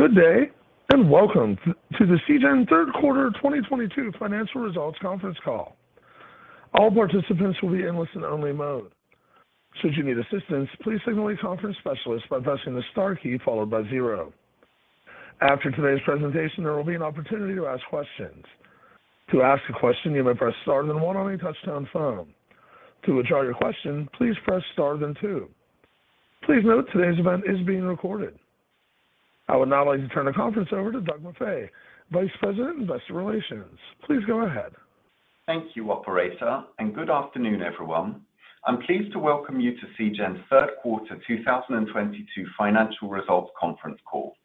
Good day, and welcome to the Seagen Third Quarter 2022 financial results conference call. All participants will be in listen only mode. Should you need assistance, please signal a conference specialist by pressing the star key followed by zero. After today's presentation, there will be an opportunity to ask questions. To ask a question, you may press star then one on your touch-tone phone. To withdraw your question, please press star then two. Please note today's event is being recorded. I would now like to turn the conference over to Doug Maffei, Vice President, Investor Relations. Please go ahead. Thank you, operator, and good afternoon, everyone. I'm pleased to welcome you to Seagen's third quarter 2022 financial results conference call.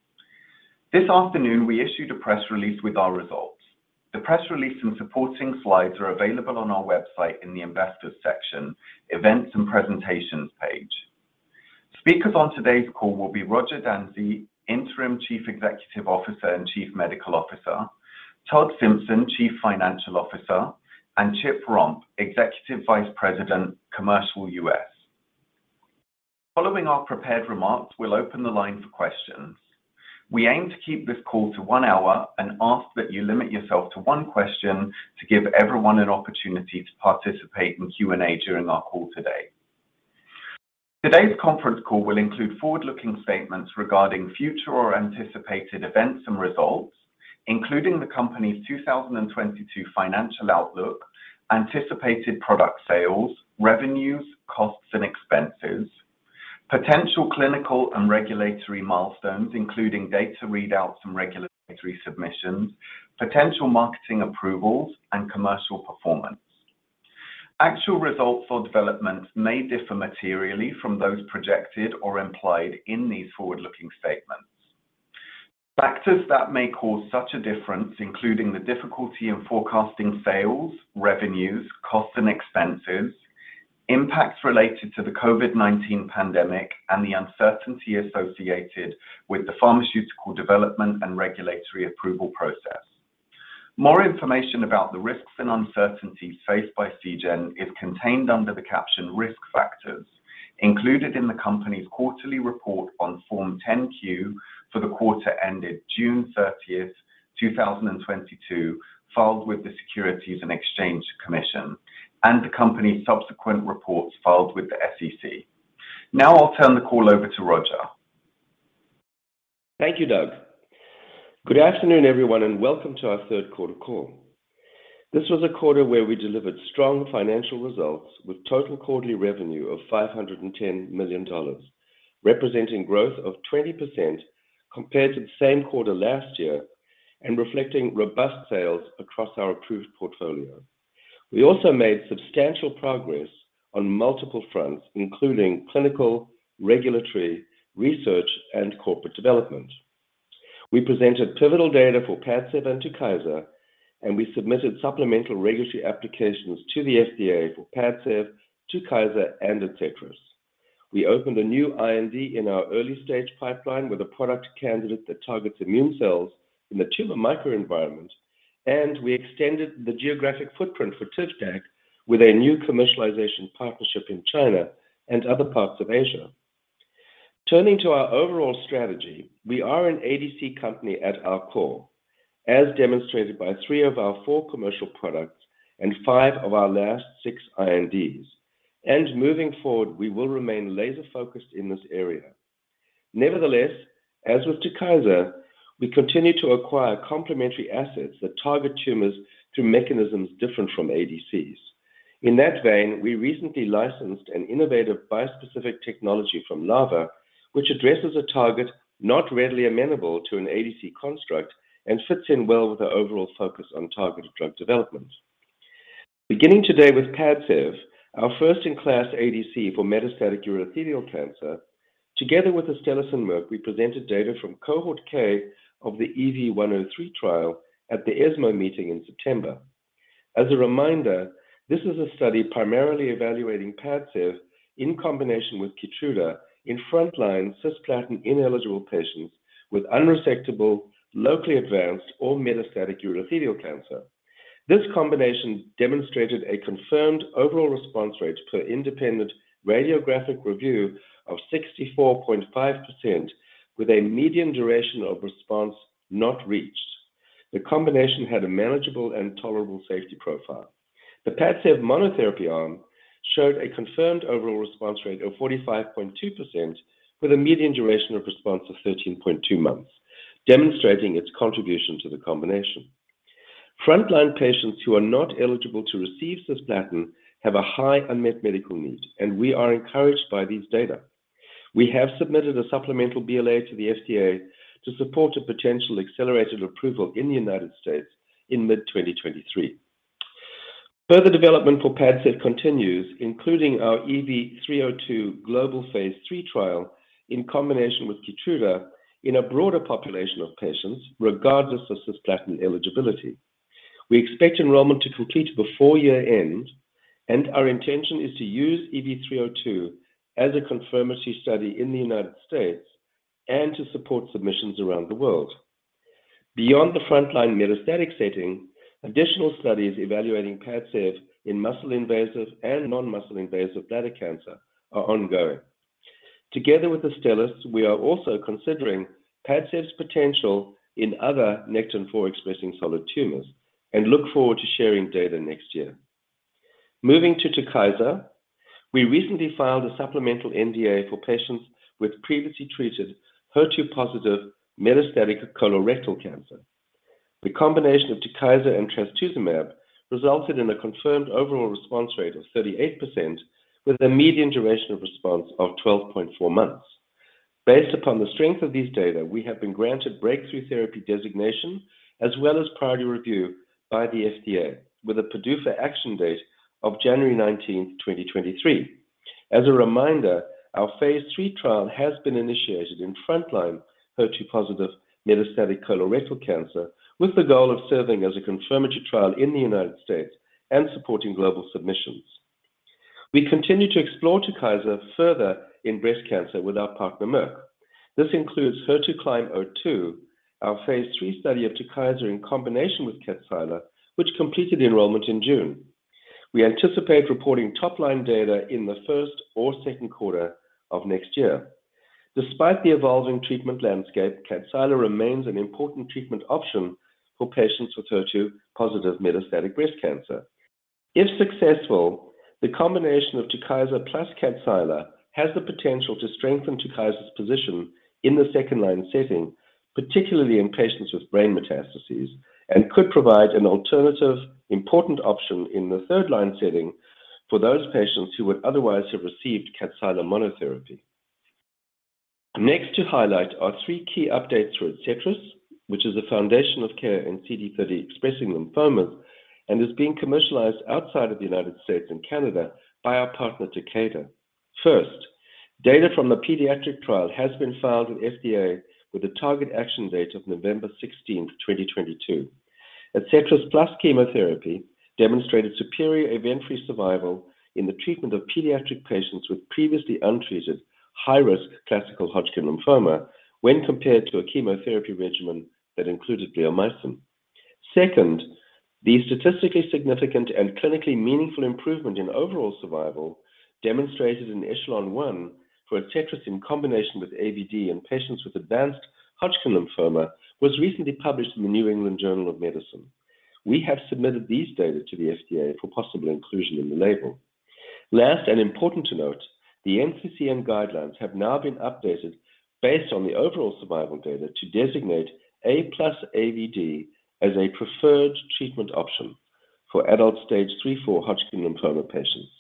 This afternoon, we issued a press release with our results. The press release and supporting slides are available on our website in the Investors section, Events and Presentations page. Speakers on today's call will be Roger Dansey, Interim Chief Executive Officer and Chief Medical Officer, Todd Simpson, Chief Financial Officer, and Chip Romp, Executive Vice President, Commercial U.S. Following our prepared remarks, we'll open the line for questions. We aim to keep this call to one hour and ask that you limit yourself to one question to give everyone an opportunity to participate in Q&A during our call today. Today's conference call will include forward-looking statements regarding future or anticipated events and results, including the company's 2022 financial outlook, anticipated product sales, revenues, costs and expenses, potential clinical and regulatory milestones, including data readouts and regulatory submissions, potential marketing approvals and commercial performance. Actual results or developments may differ materially from those projected or implied in these forward-looking statements. Factors that may cause such a difference, including the difficulty in forecasting sales, revenues, costs and expenses, impacts related to the COVID-19 pandemic, and the uncertainty associated with the pharmaceutical development and regulatory approval process. More information about the risks and uncertainties faced by Seagen is contained under the caption Risk Factors included in the company's quarterly report on Form 10-Q for the quarter ended June 30, 2022, filed with the Securities and Exchange Commission, and the company's subsequent reports filed with the SEC. Now I'll turn the call over to Roger. Thank you, Doug. Good afternoon, everyone, and welcome to our third quarter call. This was a quarter where we delivered strong financial results with total quarterly revenue of $510 million, representing growth of 20% compared to the same quarter last year and reflecting robust sales across our approved portfolio. We also made substantial progress on multiple fronts, including clinical, regulatory, research, and corporate development. We presented pivotal data for Padcev and TUKYSA, and we submitted supplemental regulatory applications to the FDA for Padcev, TUKYSA, and Adcetris. We opened a new IND in our early-stage pipeline with a product candidate that targets immune cells in the tumor microenvironment, and we extended the geographic footprint for TUKYSA with a new commercialization partnership in China and other parts of Asia. Turning to our overall strategy, we are an ADC company at our core, as demonstrated by three of our four commercial products and five of our last six INDs. Moving forward, we will remain laser-focused in this area. Nevertheless, as with TUKYSA, we continue to acquire complementary assets that target tumors through mechanisms different from ADCs. In that vein, we recently licensed an innovative bispecific technology from LAVA, which addresses a target not readily amenable to an ADC construct and fits in well with our overall focus on targeted drug development. Beginning today with Padcev, our first-in-class ADC for metastatic urothelial cancer, together with Astellas and Merck, we presented data from Cohort K of the EV-103 trial at the ESMO meeting in September. As a reminder, this is a study primarily evaluating Padcev in combination with KEYTRUDA in front-line cisplatin-ineligible patients with unresectable, locally advanced or metastatic urothelial cancer. This combination demonstrated a confirmed overall response rate per independent radiographic review of 64.5% with a median duration of response not reached. The combination had a manageable and tolerable safety profile. The Padcev monotherapy arm showed a confirmed overall response rate of 45.2% with a median duration of response of 13.2 months, demonstrating its contribution to the combination. Frontline patients who are not eligible to receive cisplatin have a high unmet medical need, and we are encouraged by these data. We have submitted a supplemental BLA to the FDA to support a potential accelerated approval in the United States in mid-2023. Further development for Padcev continues, including our EV-302 global Phase III trial in combination with Keytruda in a broader population of patients regardless of cisplatin eligibility. We expect enrollment to complete before year-end, and our intention is to use EV-302 as a confirmatory study in the United States and to support submissions around the world. Beyond the frontline metastatic setting, additional studies evaluating Padcev in muscle-invasive and non-muscle-invasive bladder cancer are ongoing. Together with Astellas, we are also considering Padcev's potential in other Nectin-4 expressing solid tumors, and look forward to sharing data next year. Moving to TUKYSA, we recently filed a supplemental NDA for patients with previously treated HER2-positive metastatic colorectal cancer. The combination of TUKYSA and trastuzumab resulted in a confirmed overall response rate of 38% with a median duration of response of 12.4 months. Based upon the strength of these data, we have been granted breakthrough therapy designation as well as priority review by the FDA with a PDUFA action date of January 19, 2023. As a reminder, our Phase III trial has been initiated in frontline HER2-positive metastatic colorectal cancer with the goal of serving as a confirmatory trial in the United States and supporting global submissions. We continue to explore TUKYSA further in breast cancer with our partner, Merck. This includes HER2CLIMB-02, our Phase III study of TUKYSA in combination with KADCYLA, which completed enrollment in June. We anticipate reporting top-line data in the first or second quarter of next year. Despite the evolving treatment landscape, KADCYLA remains an important treatment option for patients with HER2-positive metastatic breast cancer. If successful, the combination of TUKYSA plus KADCYLA has the potential to strengthen TUKYSA's position in the second-line setting, particularly in patients with brain metastases, and could provide an alternative important option in the third-line setting for those patients who would otherwise have received KADCYLA monotherapy. Next to highlight are three key updates for Adcetris, which is the foundation of care in CD30-expressing lymphomas and is being commercialized outside of the United States and Canada by our partner, Takeda. First, data from the pediatric trial has been filed with FDA with a target action date of November 16, 2022. Adcetris plus chemotherapy demonstrated superior event-free survival in the treatment of pediatric patients with previously untreated high-risk classical Hodgkin lymphoma when compared to a chemotherapy regimen that included bleomycin. Second, the statistically significant and clinically meaningful improvement in overall survival demonstrated in ECHELON-1 for Adcetris in combination with AVD in patients with advanced Hodgkin lymphoma was recently published in The New England Journal of Medicine. We have submitted these data to the FDA for possible inclusion in the label. Last, and important to note, the NCCN guidelines have now been updated based on the overall survival data to designate A+AVD as a preferred treatment option for adult stage 3/4 Hodgkin lymphoma patients.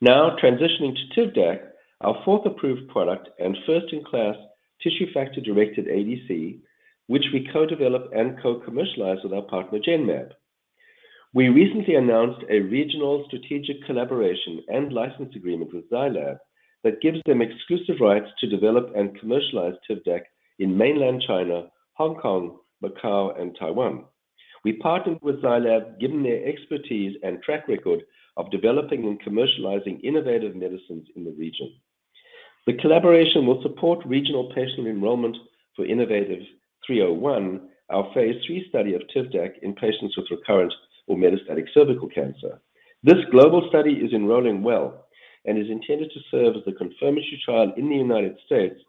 Now transitioning to TIVDAK, our fourth approved product and first-in-class tissue factor-directed ADC, which we co-develop and co-commercialize with our partner, Genmab. We recently announced a regional strategic collaboration and license agreement with Zai Lab that gives them exclusive rights to develop and commercialize TIVDAK in mainland China, Hong Kong, Macau, and Taiwan. We partnered with Zai Lab given their expertise and track record of developing and commercializing innovative medicines in the region. The collaboration will support regional patient enrollment for innovaTV 301, our Phase III study of TIVDAK in patients with recurrent or metastatic cervical cancer. This global study is enrolling well and is intended to serve as the confirmatory trial in the United States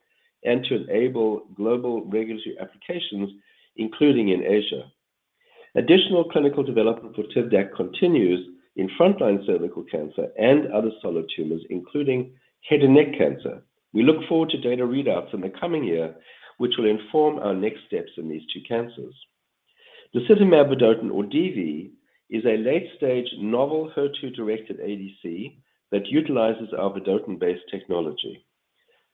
and to enable global regulatory applications, including in Asia. Additional clinical development for TIVDAK continues in frontline cervical cancer and other solid tumors, including head and neck cancer. We look forward to data readouts in the coming year, which will inform our next steps in these two cancers. disitamab vedotin or DV is a late-stage novel HER2-directed ADC that utilizes our vedotin-based technology.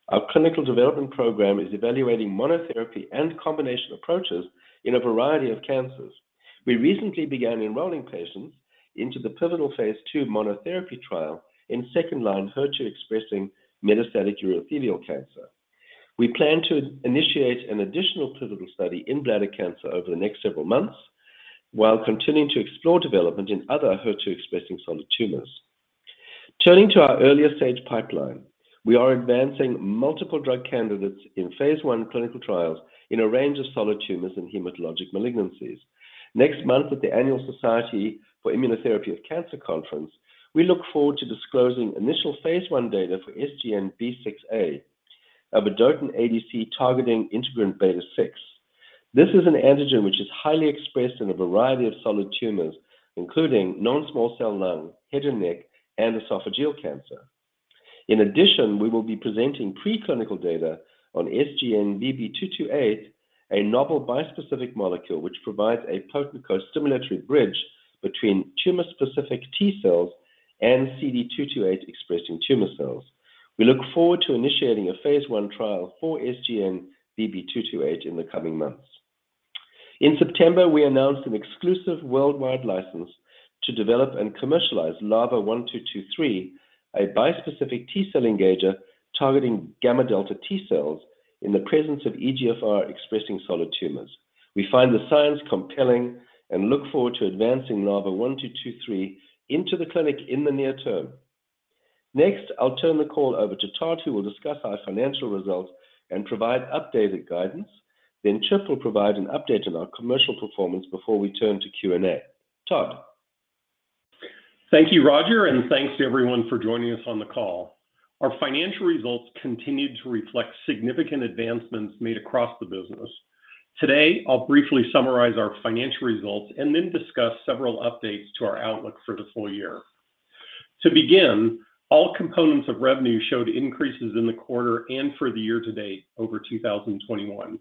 Our clinical development program is evaluating monotherapy and combination approaches in a variety of cancers. We recently began enrolling patients into the pivotal Phase II monotherapy trial in second-line HER2-expressing metastatic urothelial cancer. We plan to initiate an additional pivotal study in bladder cancer over the next several months while continuing to explore development in other HER2-expressing solid tumors. Turning to our earlier stage pipeline. We are advancing multiple drug candidates in Phase I clinical trials in a range of solid tumors and hematologic malignancies. Next month at the annual Society for Immunotherapy of Cancer Conference, we look forward to disclosing initial Phase I data for SGN-B6A, a vedotin ADC targeting integrin beta-6. This is an antigen which is highly expressed in a variety of solid tumors, including non-small cell lung, head and neck, and esophageal cancer. In addition, we will be presenting preclinical data on SGN-BB228, a novel bispecific molecule which provides a potent costimulatory bridge between tumor-specific T cells and CD228 expressed in tumor cells. We look forward to initiating a Phase I trial for SGN-BB228 in the coming months. In September, we announced an exclusive worldwide license to develop and commercialize LAVA-1223, a bispecific T-cell engager targeting gamma delta T cells in the presence of EGFR-expressing solid tumors. We find the science compelling and look forward to advancing LAVA-1223 into the clinic in the near term. Next, I'll turn the call over to Todd, who will discuss our financial results and provide updated guidance. Then Chip will provide an update on our commercial performance before we turn to Q&A. Todd. Thank you, Roger, and thanks to everyone for joining us on the call. Our financial results continued to reflect significant advancements made across the business. Today, I'll briefly summarize our financial results and then discuss several updates to our outlook for the full year. To begin, all components of revenue showed increases in the quarter and for the year to date over 2021.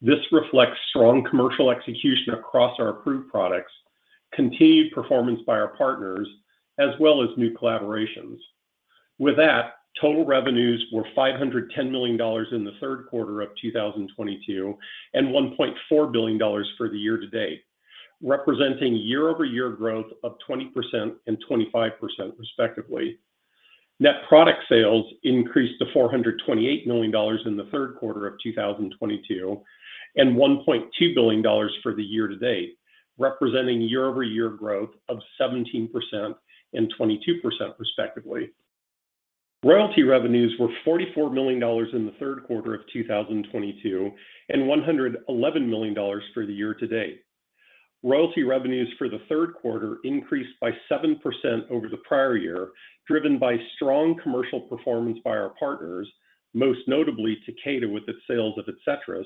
This reflects strong commercial execution across our approved products, continued performance by our partners, as well as new collaborations. With that, total revenues were $510 million in the third quarter of 2022, and $1.4 billion for the year to date, representing year-over-year growth of 20% and 25% respectively. Net product sales increased to $428 million in the third quarter of 2022, and $1.2 billion for the year to date, representing year-over-year growth of 17% and 22% respectively. Royalty revenues were $44 million in the third quarter of 2022, and $111 million for the year to date. Royalty revenues for the third quarter increased by 7% over the prior year, driven by strong commercial performance by our partners, most notably Takeda with its sales of Adcetris,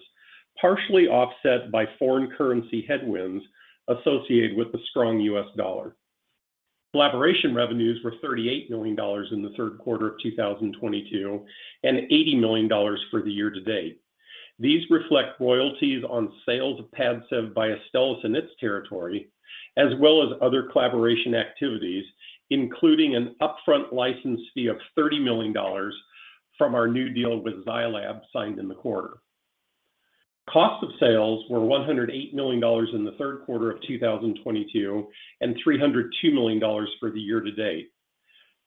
partially offset by foreign currency headwinds associated with the strong US dollar. Collaboration revenues were $38 million in the third quarter of 2022, and $80 million for the year to date. These reflect royalties on sales of Padcev by Astellas in its territory, as well as other collaboration activities, including an upfront license fee of $30 million from our new deal with Zai Lab signed in the quarter. Cost of sales were $108 million in the third quarter of 2022, and $302 million for the year to date.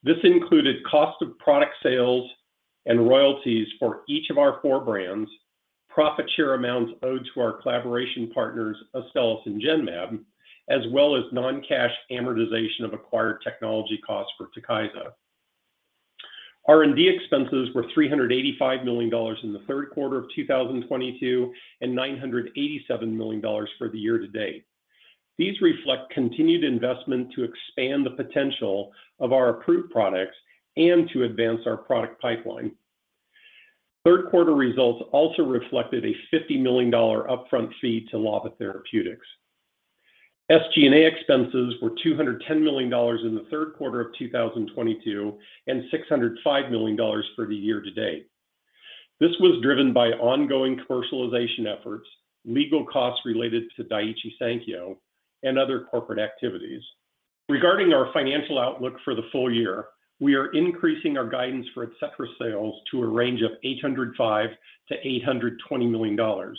This included cost of product sales and royalties for each of our four brands, profit share amounts owed to our collaboration partners, Astellas and Genmab, as well as non-cash amortization of acquired technology costs for Takeda. R&D expenses were $385 million in the third quarter of 2022, and $987 million for the year to date. These reflect continued investment to expand the potential of our approved products and to advance our product pipeline. Third quarter results also reflected a $50 million upfront fee to LAVA Therapeutics. SG&A expenses were $210 million in the third quarter of 2022, and $605 million for the year to date. This was driven by ongoing commercialization efforts, legal costs related to Daiichi Sankyo, and other corporate activities. Regarding our financial outlook for the full year, we are increasing our guidance for Adcetris sales to a range of $805 million-$820 million.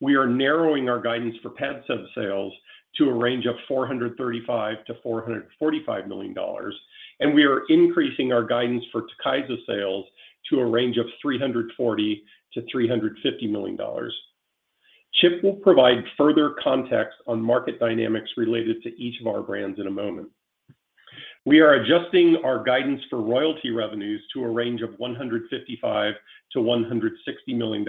We are narrowing our guidance for PADCEV sales to a range of $435-$445 million, and we are increasing our guidance for TUKYSA sales to a range of $340-$350 million. Chip will provide further context on market dynamics related to each of our brands in a moment. We are adjusting our guidance for royalty revenues to a range of $155-$160 million,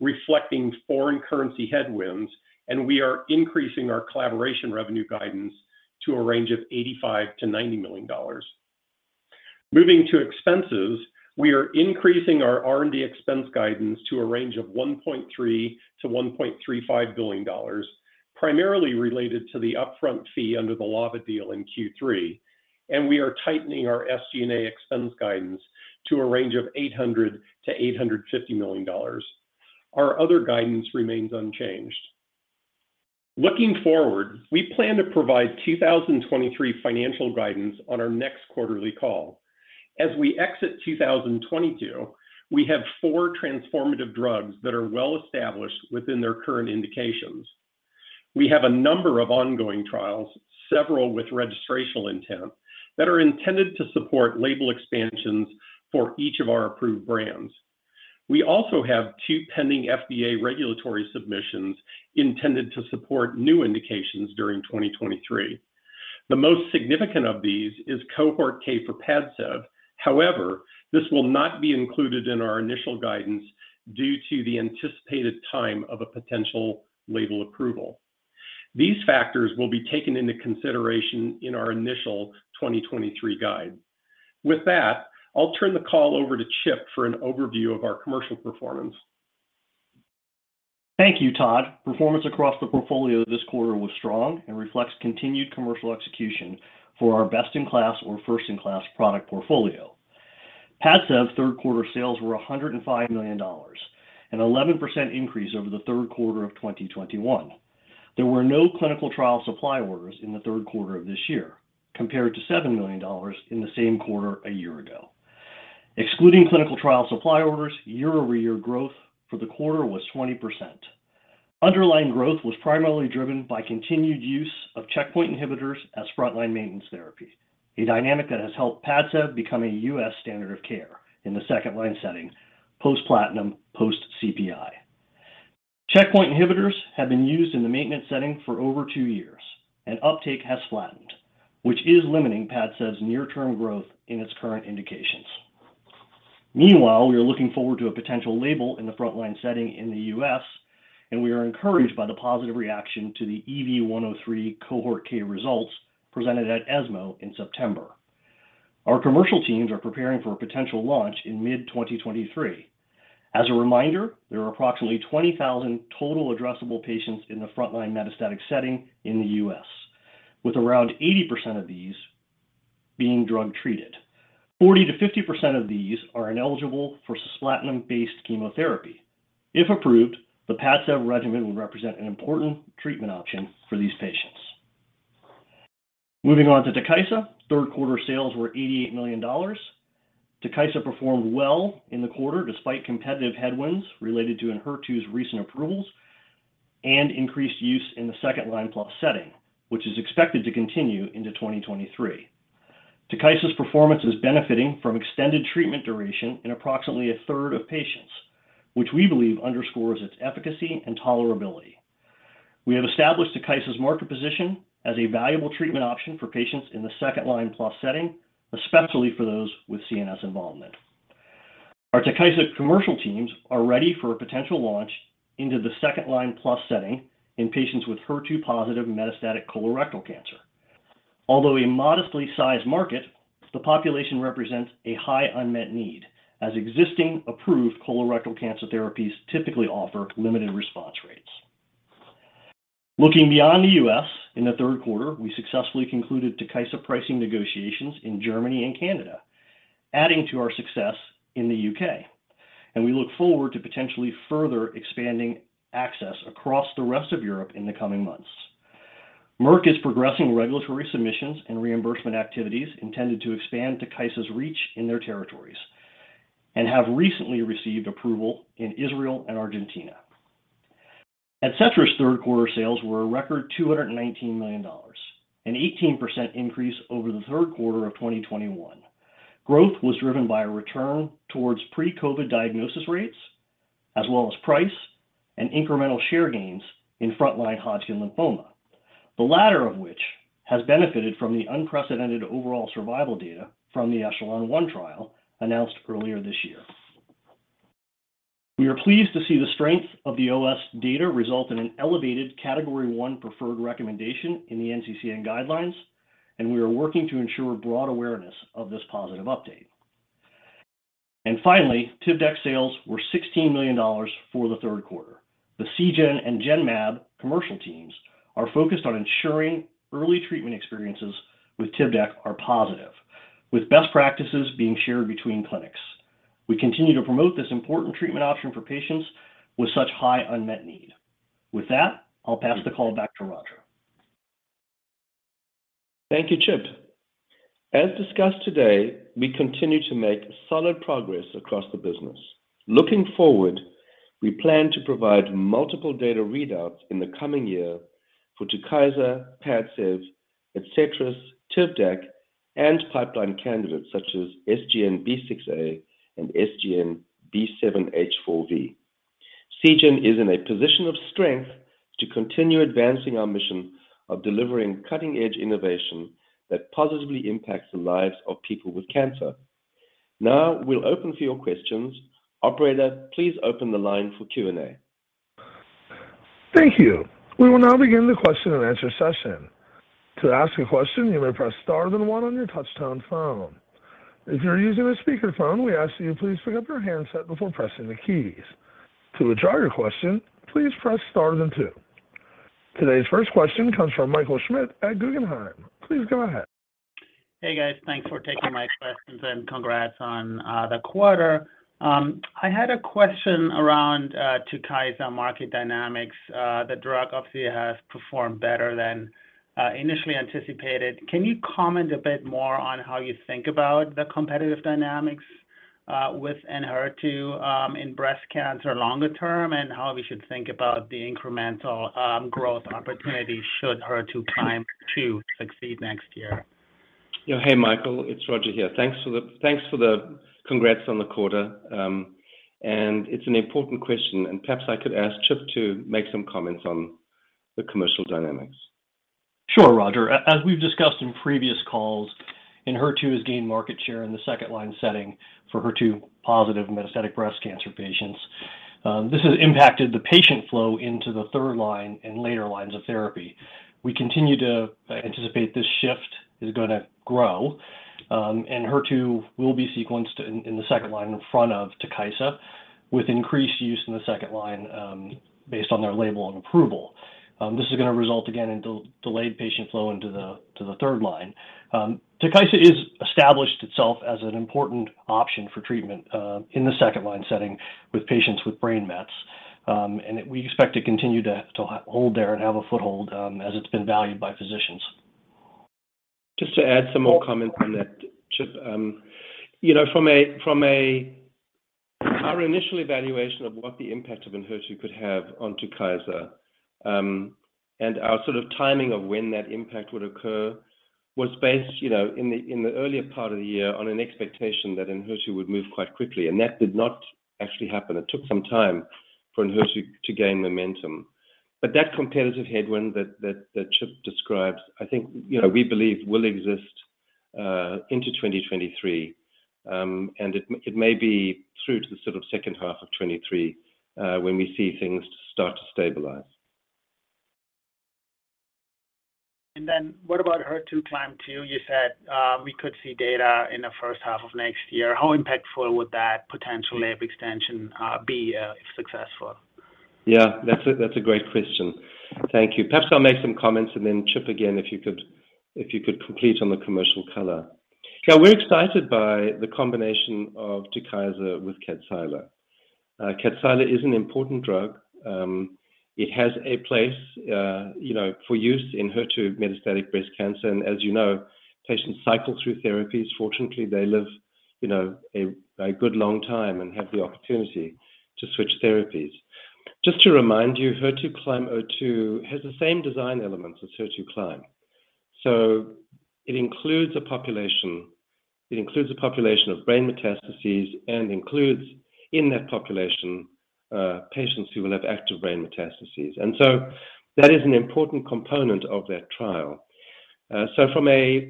reflecting foreign currency headwinds, and we are increasing our collaboration revenue guidance to a range of $85-$90 million. Moving to expenses, we are increasing our R&D expense guidance to a range of $1.3 billion-$1.35 billion, primarily related to the upfront fee under the LAVA deal in Q3, and we are tightening our SG&A expense guidance to a range of $800 million-$850 million. Our other guidance remains unchanged. Looking forward, we plan to provide 2023 financial guidance on our next quarterly call. As we exit 2022, we have four transformative drugs that are well-established within their current indications. We have a number of ongoing trials, several with registrational intent, that are intended to support label expansions for each of our approved brands. We also have two pending FDA regulatory submissions intended to support new indications during 2023. The most significant of these is Cohort K for Padcev. However, this will not be included in our initial guidance due to the anticipated time of a potential label approval. These factors will be taken into consideration in our initial 2023 guide. With that, I'll turn the call over to Chip for an overview of our commercial performance. Thank you, Todd. Performance across the portfolio this quarter was strong and reflects continued commercial execution for our best-in-class or first-in-class product portfolio. Padcev third quarter sales were $105 million, an 11% increase over the third quarter of 2021. There were no clinical trial supply orders in the third quarter of this year, compared to $7 million in the same quarter a year ago. Excluding clinical trial supply orders, year-over-year growth for the quarter was 20%. Underlying growth was primarily driven by continued use of checkpoint inhibitors as frontline maintenance therapy, a dynamic that has helped Padcev become a U.S. standard of care in the second line setting post-platinum, post-CPI. Checkpoint inhibitors have been used in the maintenance setting for over two years, and uptake has flattened, which is limiting Padcev's near-term growth in its current indications. Meanwhile, we are looking forward to a potential label in the frontline setting in the U.S., and we are encouraged by the positive reaction to the EV-103 Cohort K results presented at ESMO in September. Our commercial teams are preparing for a potential launch in mid-2023. As a reminder, there are approximately 20,000 total addressable patients in the frontline metastatic setting in the U.S., with around 80% of these being drug-treated. 40%-50% of these are ineligible for cisplatin-based chemotherapy. If approved, the Padcev regimen would represent an important treatment option for these patients. Moving on to TUKYSA, third quarter sales were $88 million. TUKYSA performed well in the quarter despite competitive headwinds related to ENHERTU's recent approvals and increased use in the second-line plus setting, which is expected to continue into 2023. TUKYSA's performance is benefiting from extended treatment duration in approximately a third of patients, which we believe underscores its efficacy and tolerability. We have established TUKYSA's market position as a valuable treatment option for patients in the second-line plus setting, especially for those with CNS involvement. Our TUKYSA commercial teams are ready for a potential launch into the second-line plus setting in patients with HER2-positive metastatic colorectal cancer. Although a modestly sized market, the population represents a high unmet need, as existing approved colorectal cancer therapies typically offer limited response rates. Looking beyond the U.S., in the third quarter, we successfully concluded TUKYSA pricing negotiations in Germany and Canada, adding to our success in the U.K. We look forward to potentially further expanding access across the rest of Europe in the coming months. Merck is progressing regulatory submissions and reimbursement activities intended to expand TUKYSA's reach in their territories and have recently received approval in Israel and Argentina. Adcetris third quarter sales were a record $219 million, an 18% increase over the third quarter of 2021. Growth was driven by a return towards pre-COVID diagnosis rates as well as price and incremental share gains in frontline Hodgkin lymphoma, the latter of which has benefited from the unprecedented overall survival data from the ECHELON-1 trial announced earlier this year. We are pleased to see the strength of the OS data result in an elevated Category One preferred recommendation in the NCCN guidelines, and we are working to ensure broad awareness of this positive update. Finally, TIVDAK sales were $16 million for the third quarter. The Seagen and Genmab commercial teams are focused on ensuring early treatment experiences with TIVDAK are positive, with best practices being shared between clinics. We continue to promote this important treatment option for patients with such high unmet need. With that, I'll pass the call back to Roger. Thank you, Chip. As discussed today, we continue to make solid progress across the business. Looking forward, we plan to provide multiple data readouts in the coming year for TUKYSA, PADCEV, ADCETRIS, TIVDAK, and pipeline candidates such as SGN-B6A and SGN-B7H4V. Seagen is in a position of strength to continue advancing our mission of delivering cutting-edge innovation that positively impacts the lives of people with cancer. Now we'll open for your questions. Operator, please open the line for Q&A. Thank you. We will now begin the question and answer session. To ask a question, you may press star then one on your touch-tone phone. If you're using a speakerphone, we ask that you please pick up your handset before pressing the keys. To withdraw your question, please press star then two. Today's first question comes from Michael Schmidt at Guggenheim. Please go ahead. Hey, guys. Thanks for taking my questions and congrats on the quarter. I had a question around TUKYSA market dynamics. The drug obviously has performed better than initially anticipated. Can you comment a bit more on how you think about the competitive dynamics with ENHERTU in breast cancer longer term, and how we should think about the incremental growth opportunities should ENHERTU come to succeed next year? Hey, Michael, it's Roger here. Thanks for the congrats on the quarter. It's an important question, perhaps I could ask Chip to make some comments on the commercial dynamics. Sure, Roger. As we've discussed in previous calls, ENHERTU has gained market share in the second-line setting for HER2-positive metastatic breast cancer patients. This has impacted the patient flow into the third line and later lines of therapy. We continue to anticipate this shift is gonna grow, and ENHERTU will be sequenced in the second line in front of TUKYSA, with increased use in the second line, based on their label and approval. This is gonna result again in delayed patient flow into the third line. TUKYSA has established itself as an important option for treatment in the second line setting with patients with brain mets, and we expect to continue to hold there and have a foothold, as it's been valued by physicians. Just to add some more comment on that, Chip. You know, from a. Our initial evaluation of what the impact of ENHERTU could have on TUKYSA, and our sort of timing of when that impact would occur was based, you know, in the earlier part of the year on an expectation that ENHERTU would move quite quickly. That did not actually happen. It took some time for ENHERTU to gain momentum. That competitive headwind that Chip describes, I think, you know, we believe will exist into 2023. It may be through to the sort of second half of 2023 when we see things start to stabilize. What about HER2CLIMB-02? You said we could see data in the first half of next year. How impactful would that potential label extension be, if successful? Yeah, that's a great question. Thank you. Perhaps I'll make some comments and then Chip again, if you could complete on the commercial color. Yeah. We're excited by the combination of TUKYSA with KADCYLA. KADCYLA is an important drug. It has a place, you know, for use in HER2 metastatic breast cancer. As you know, patients cycle through therapies. Fortunately, they live, you know, a good long time and have the opportunity to switch therapies. Just to remind you, HER2CLIMB-02 has the same design elements as HER2CLIMB. It includes a population of brain metastases and includes in that population, patients who will have active brain metastases. That is an important component of that trial. So from a...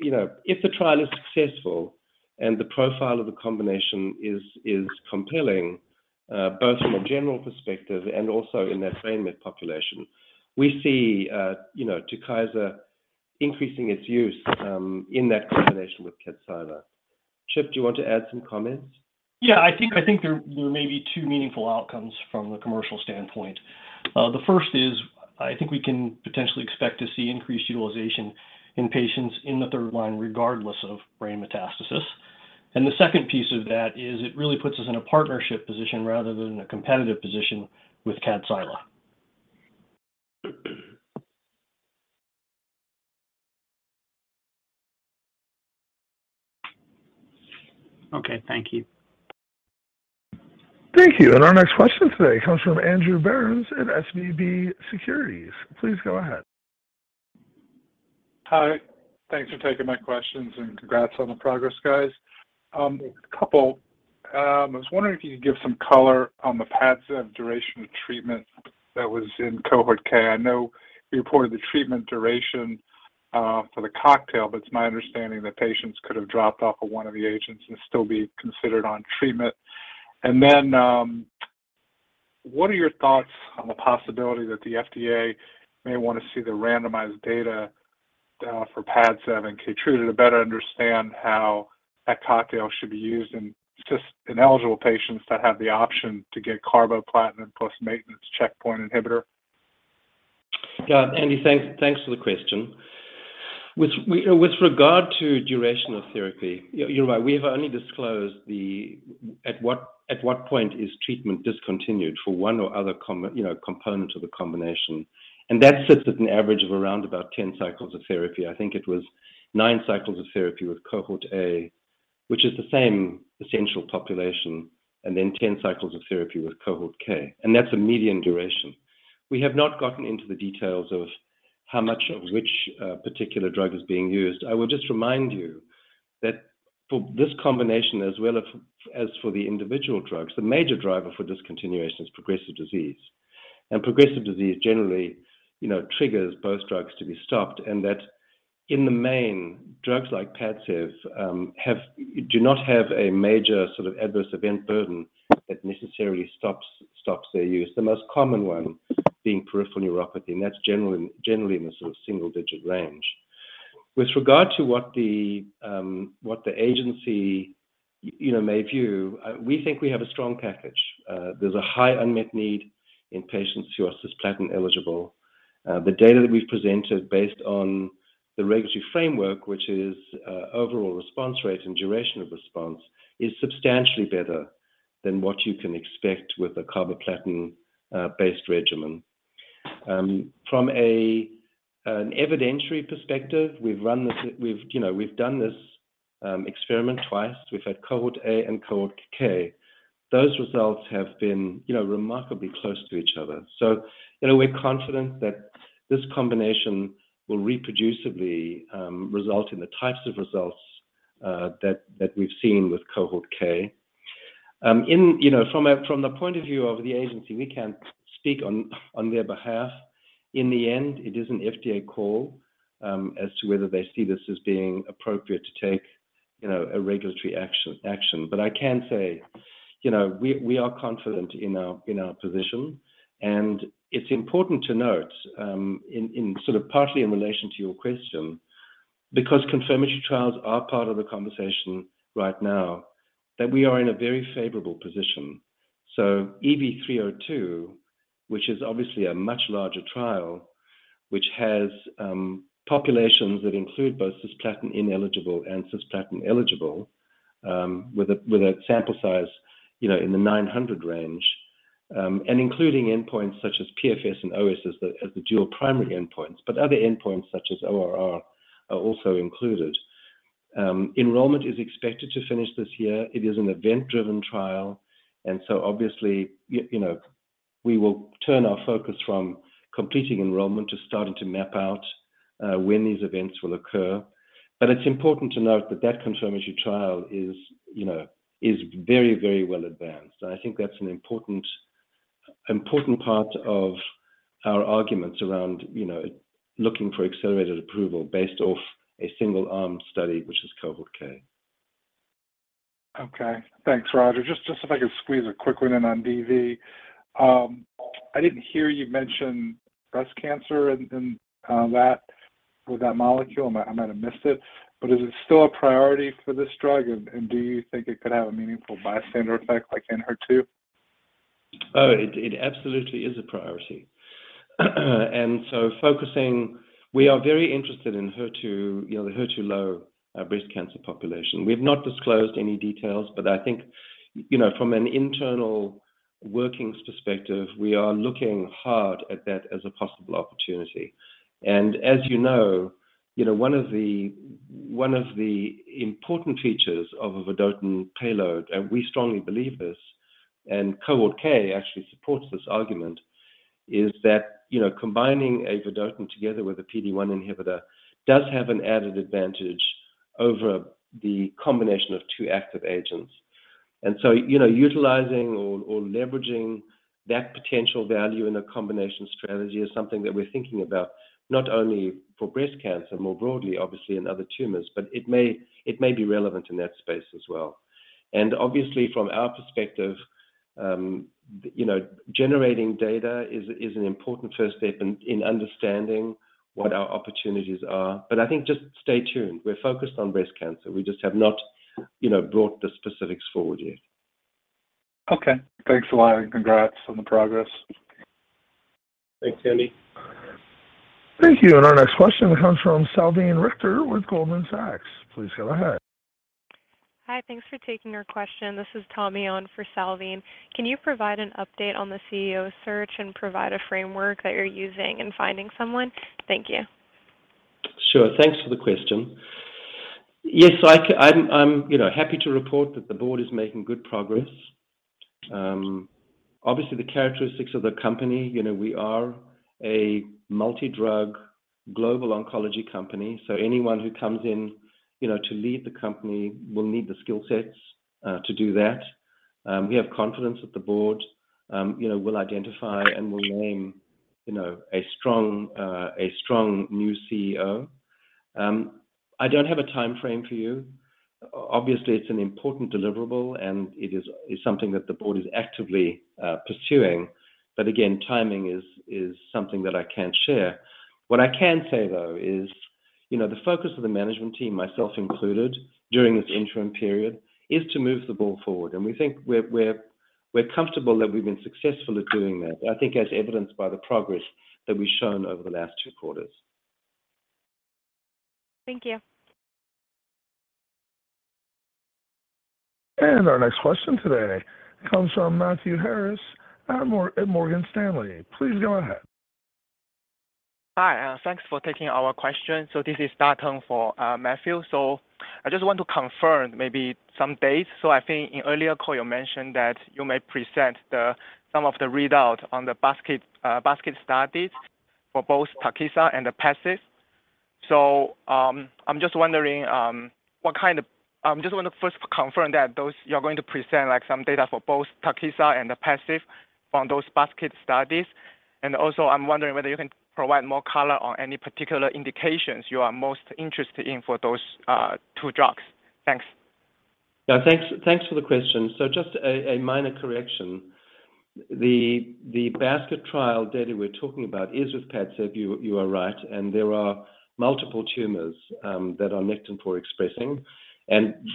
You know, if the trial is successful and the profile of the combination is compelling, both from a general perspective and also in that brain met population, we see, you know, TUKYSA increasing its use, in that combination with KADCYLA. Chip, do you want to add some comments? Yeah. I think there may be two meaningful outcomes from the commercial standpoint. The first is I think we can potentially expect to see increased utilization in patients in the third line regardless of brain metastasis. The second piece of that is it really puts us in a partnership position rather than a competitive position with KADCYLA. Okay. Thank you. Thank you. Our next question today comes from Andrew Berens at SVB Securities. Please go ahead. Hi. Thanks for taking my questions, and congrats on the progress, guys. I was wondering if you could give some color on the Padcev duration of treatment that was in Cohort K. I know you reported the treatment duration for the cocktail, but it's my understanding that patients could have dropped off of one of the agents and still be considered on treatment. What are your thoughts on the possibility that the FDA may want to see the randomized data for Padcev and KEYTRUDA to better understand how that cocktail should be used in cis-ineligible patients that have the option to get carboplatin plus maintenance checkpoint inhibitor? Andrew, thanks for the question. With you know, with regard to durational therapy, you're right. We have only disclosed at what point is treatment discontinued for one or other component of the combination. That sits at an average of around about 10 cycles of therapy. I think it was 9 cycles of therapy with Cohort A, which is the same essential population, and then 10 cycles of therapy with Cohort K. That's a median duration. We have not gotten into the details of how much of which particular drug is being used. I would just remind you that for this combination, as well as for the individual drugs, the major driver for discontinuation is progressive disease. Progressive disease generally, you know, triggers both drugs to be stopped, and that in the main, drugs like Padcev do not have a major sort of adverse event burden that necessarily stops their use, the most common one being peripheral neuropathy, and that's generally in the sort of single-digit range. With regard to what the agency, you know, may view, we think we have a strong package. There's a high unmet need in patients who are cisplatin-eligible. The data that we've presented based on the regulatory framework, which is overall response rate and duration of response, is substantially better than what you can expect with a carboplatin based regimen. From an evidentiary perspective, you know, we've done this experiment twice. We've had Cohort A and Cohort K. Those results have been, you know, remarkably close to each other. You know, we're confident that this combination will reproducibly result in the types of results that we've seen with Cohort K. You know, from the point of view of the agency, we can't speak on their behalf. In the end, it is an FDA call as to whether they see this as being appropriate to take, you know, a regulatory action. I can say, you know, we are confident in our position. It's important to note, in sort of partially in relation to your question, because confirmatory trials are part of the conversation right now, that we are in a very favorable position. EV-302, which is obviously a much larger trial, which has populations that include both cisplatin-ineligible and cisplatin-eligible, with a sample size, you know, in the 900 range, and including endpoints such as PFS and OS as the dual primary endpoints, but other endpoints such as ORR are also included. Enrollment is expected to finish this year. It is an event-driven trial, and so obviously, you know, we will turn our focus from completing enrollment to starting to map out when these events will occur. It's important to note that that confirmatory trial is, you know, very well advanced. I think that's an important part of our arguments around, you know, looking for accelerated approval based off a single-arm study, which is Cohort K. Okay. Thanks, Roger. Just if I could squeeze a quick one in on BV. I didn't hear you mention breast cancer in that with that molecule. I might have missed it. Is it still a priority for this drug, and do you think it could have a meaningful bystander effect like in HER2? It absolutely is a priority. We are very interested in HER2, you know, the HER2 low breast cancer population. We've not disclosed any details, but I think, you know, from an internal workings perspective, we are looking hard at that as a possible opportunity. As you know, you know, one of the important features of a vedotin payload, and we strongly believe this, and Cohort K actually supports this argument, is that, you know, combining a vedotin together with a PD-1 inhibitor does have an added advantage over the combination of two active agents. You know, utilizing or leveraging that potential value in a combination strategy is something that we're thinking about, not only for breast cancer more broadly, obviously, in other tumors, but it may be relevant in that space as well. Obviously, from our perspective, you know, generating data is an important first step in understanding what our opportunities are. I think just stay tuned. We're focused on breast cancer. We just have not, you know, brought the specifics forward yet. Okay. Thanks a lot, and congrats on the progress. Thanks, Andrew. Thank you. Our next question comes from Salveen Richter with Goldman Sachs. Please go ahead. Hi. Thanks for taking our question. This is Thomas Hudson on for Salveen Richter. Can you provide an update on the CEO search and provide a framework that you're using in finding someone? Thank you. Sure. Thanks for the question. Yes, I'm, you know, happy to report that the board is making good progress. Obviously, the characteristics of the company, you know, we are a multi-drug global oncology company, so anyone who comes in, you know, to lead the company will need the skill sets to do that. We have confidence that the board, you know, will identify and will name, you know, a strong new CEO. I don't have a timeframe for you. Obviously, it's an important deliverable, and it is something that the board is actively pursuing. Again, timing is something that I can't share. What I can say, though, is, you know, the focus of the management team, myself included, during this interim period, is to move the ball forward. We think we're comfortable that we've been successful at doing that, I think as evidenced by the progress that we've shown over the last two quarters. Thank you. Our next question today comes from Matthew Harrison at Morgan Stanley. Please go ahead. Hi. Thanks for taking our question. This is Datong for Matthew Harrison. I just want to confirm maybe some dates. I think in earlier call you mentioned that you may present some of the readout on the basket studies for both TUKYSA and Padcev. I'm just wondering what kind of. I just want to first confirm that those, you're going to present, like, some data for both TUKYSA and Padcev from those basket studies. Also I'm wondering whether you can provide more color on any particular indications you are most interested in for those two drugs. Thanks. Yeah, thanks for the question. Just a minor correction. The basket trial data we're talking about is with Padcev, you are right, and there are multiple tumors that are Nectin-4 expressing.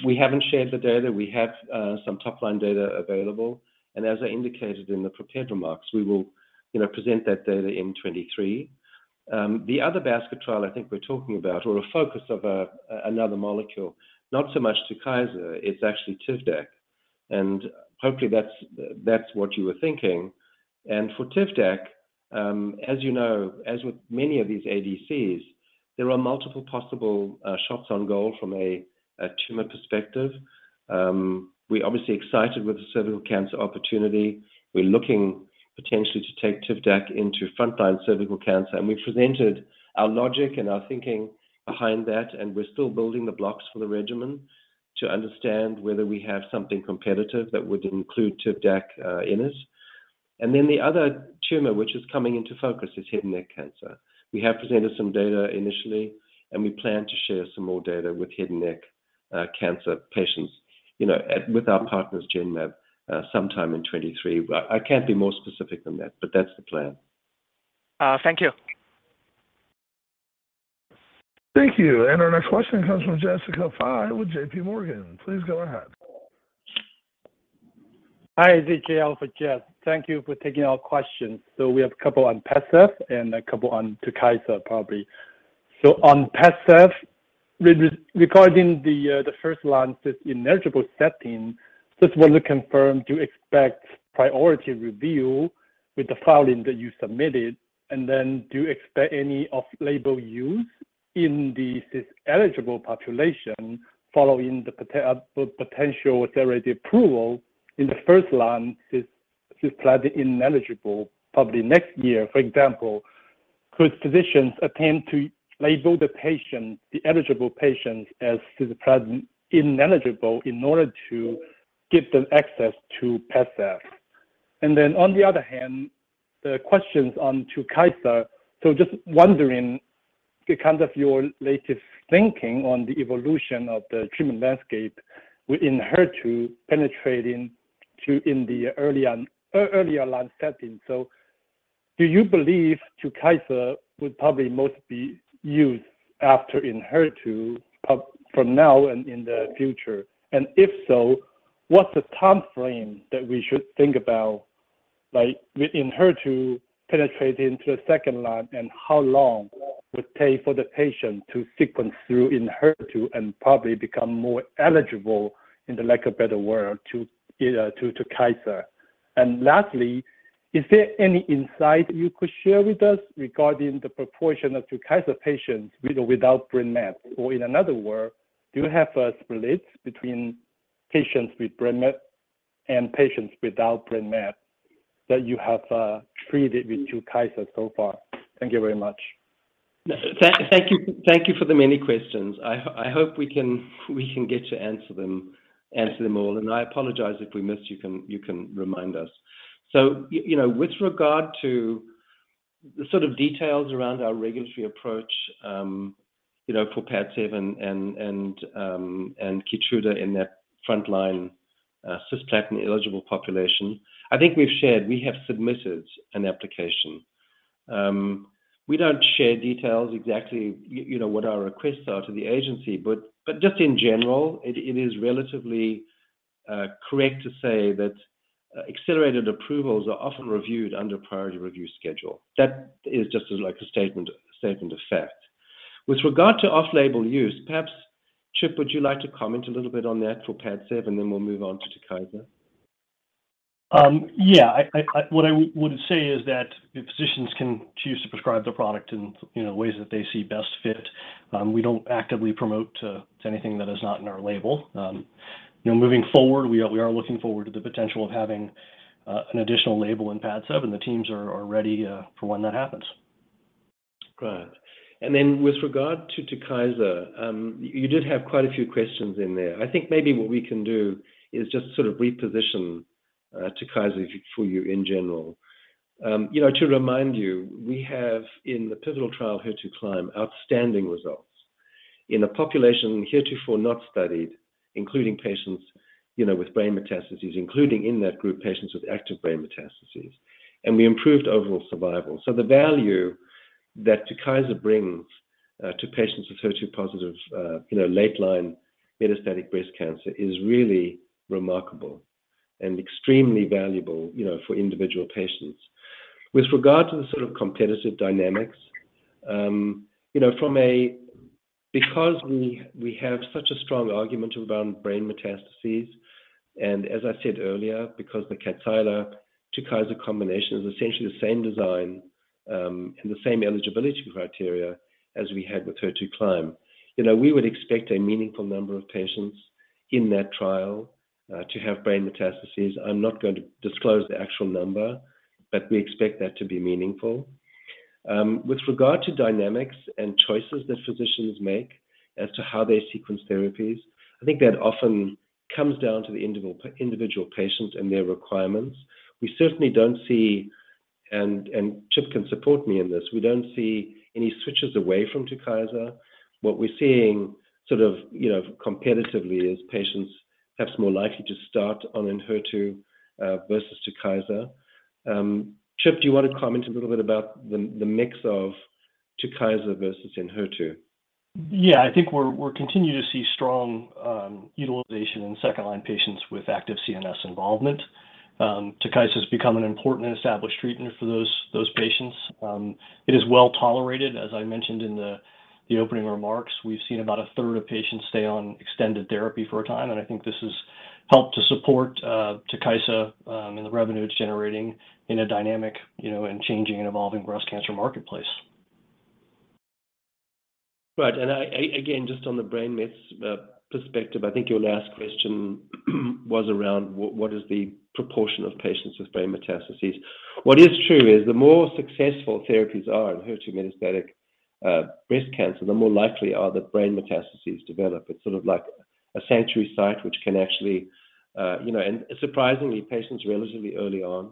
We haven't shared the data. We have some top-line data available. As I indicated in the prepared remarks, we will, you know, present that data in 2023. The other basket trial I think we're talking about or a focus of another molecule, not so much TUKYSA, it's actually TIVDAK. Hopefully that's what you were thinking. For TIVDAK, as you know, as with many of these ADCs, there are multiple possible shots on goal from a tumor perspective. We're obviously excited with the cervical cancer opportunity. We're looking potentially to take TIVDAK into frontline cervical cancer, and we've presented our logic and our thinking behind that, and we're still building the blocks for the regimen to understand whether we have something competitive that would include TIVDAK in it. Then the other tumor which is coming into focus is head and neck cancer. We have presented some data initially, and we plan to share some more data with head and neck cancer patients, you know, with our partners, Genmab, sometime in 2023. I can't be more specific than that, but that's the plan. Thank you. Thank you. Our next question comes from Jessica Fye with JPMorgan. Please go ahead. Hi. This is JL for Jess. Thank you for taking our questions. We have a couple on Padcev and a couple on TUKYSA probably. On Padcev, regarding the first-line, cisplatin-ineligible setting, just want to confirm, do you expect priority review with the filing that you submitted? And then do you expect any off-label use in the cisplatin-eligible population following the potential label approval? In the first line, cisplatin ineligible probably next year. For example, could physicians attempt to label the patient, the eligible patients as cisplatin ineligible in order to give them access to Padcev? On the other hand, the questions on TUKYSA. Just wondering kind of your latest thinking on the evolution of the treatment landscape within HER2, penetrating to the earlier line setting. Do you believe TUKYSA would probably most be used after in HER2 from now and in the future? If so, what's the time frame that we should think about, like within HER2, penetrating to a second line, and how long would take for the patient to sequence through in HER2 and probably become more eligible, for lack of a better word, to TUKYSA? Lastly, is there any insight you could share with us regarding the proportion of TUKYSA patients with or without brain met? Or in another word, do you have a split between patients with brain met and patients without brain met that you have treated with TUKYSA so far? Thank you very much. Thank you for the many questions. I hope we can get to answer them all. I apologize if we missed. You can remind us. You know, with regard to the sort of details around our regulatory approach, you know, for Padcev and KEYTRUDA in that frontline, cisplatin-eligible population. I think we've shared we have submitted an application. We don't share details exactly, you know, what our requests are to the agency, but just in general, it is relatively correct to say that accelerated approvals are often reviewed under priority review schedule. That is just like a statement of fact. With regard to off-label use, perhaps, Chip, would you like to comment a little bit on that for Padcev, and then we'll move on to TUKYSA? What I would say is that if physicians can choose to prescribe the product in, you know, ways that they see best fit, we don't actively promote anything that is not in our label. You know, moving forward, we are looking forward to the potential of having an additional label in Padcev, and the teams are ready for when that happens. Right. With regard to TUKYSA, you did have quite a few questions in there. I think maybe what we can do is just sort of reposition TUKYSA for you in general. You know, to remind you, we have in the pivotal trial, HER2CLIMB, outstanding results. In a population heretofore not studied, including patients, you know, with brain metastases, including in that group, patients with active brain metastases, and we improved overall survival. The value that TUKYSA brings to patients with HER2-positive, you know, late line metastatic breast cancer is really remarkable and extremely valuable, you know, for individual patients. With regard to the sort of competitive dynamics, you know, because we have such a strong argument around brain metastases, and as I said earlier, because the KADCYLA, TUKYSA combination is essentially the same design, and the same eligibility criteria as we had with HER2CLIMB. You know, we would expect a meaningful number of patients in that trial to have brain metastases. I'm not going to disclose the actual number, but we expect that to be meaningful. With regard to dynamics and choices that physicians make as to how they sequence therapies, I think that often comes down to the individual patient and their requirements. We certainly don't see, and Chip can support me in this. We don't see any switches away from TUKYSA. What we're seeing sort of, you know, competitively is patients perhaps more likely to start on ENHERTU versus TUKYSA. Chip, do you want to comment a little bit about the mix of TUKYSA versus ENHERTU? Yeah. I think we're continuing to see strong utilization in second line patients with active CNS involvement. TUKYSA has become an important and established treatment for those patients. It is well-tolerated, as I mentioned in the opening remarks. We've seen about a third of patients stay on extended therapy for a time, and I think this has helped to support TUKYSA and the revenue it's generating in a dynamic, you know, and changing and evolving breast cancer marketplace. Right. Again, just on the brain mets perspective, I think your last question was around what is the proportion of patients with brain metastases. What is true is the more successful therapies are in HER2 metastatic breast cancer, the more likely are that brain metastases develop. It's sort of like a sanctuary site which can actually you know. Surprisingly, patients relatively early on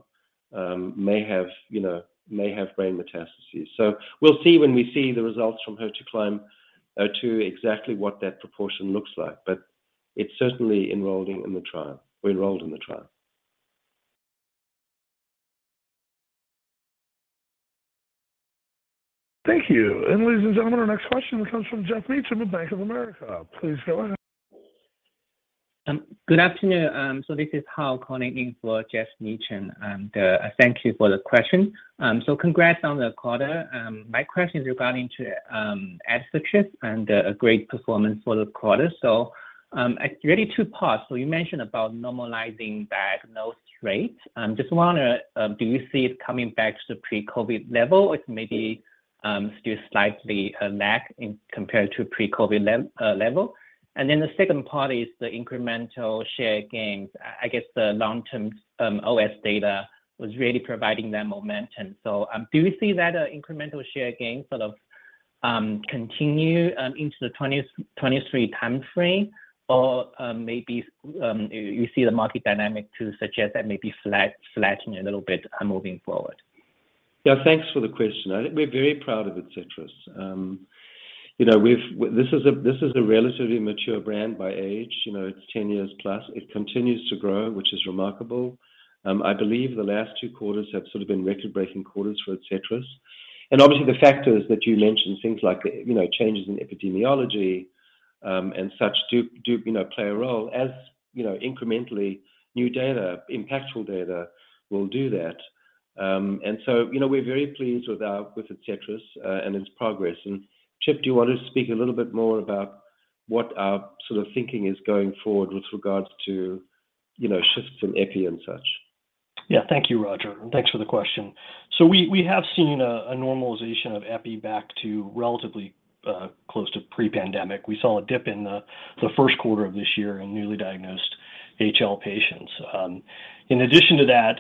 may have you know brain metastases. We'll see when we see the results from HER2CLIMB-02 exactly what that proportion looks like. It's certainly enrolling in the trial. We enrolled in the trial. Thank you. Ladies and gentlemen, our next question comes from Geoff Meacham of Bank of America. Please go ahead. Good afternoon. This is Hao calling in for Geoff Meacham. Thank you for the question. Congrats on the quarter. My question is regarding Adcetris and great performance for the quarter. Really two parts. You mentioned about normalizing diagnosis rates. Just wonder, do you see it coming back to pre-COVID level, or it may be still slightly lagging compared to pre-COVID level? Then the second part is the incremental share gains. I guess the long-term OS data was really providing that momentum. Do you see that incremental share gain sort of Continue into the 2023 time frame or maybe you see the market dynamic to suggest that maybe flattening a little bit moving forward? Yeah. Thanks for the question. I think we're very proud of Adcetris. You know, this is a relatively mature brand by age. You know, it's 10 years plus. It continues to grow, which is remarkable. I believe the last 2 quarters have sort of been record-breaking quarters for Adcetris. Obviously, the factors that you mentioned, things like, you know, changes in epidemiology, and such do play a role as, you know, incrementally new data, impactful data will do that. You know, we're very pleased with Adcetris and its progress. Chip, do you want to speak a little bit more about what our sort of thinking is going forward with regards to, you know, shifts in epi and such? Yeah. Thank you, Roger, and thanks for the question. We have seen a normalization of epi back to relatively close to pre-pandemic. We saw a dip in the first quarter of this year in newly diagnosed HL patients. In addition to that,